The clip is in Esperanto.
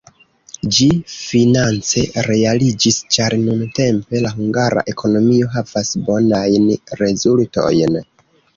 Ĝi finance realiĝis, ĉar nuntempe la hungara ekonomio havas bonajn rezultojn.